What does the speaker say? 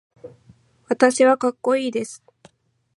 私はかっこいいです。